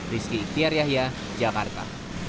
rizky tiaryahya jakarta